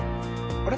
あれ？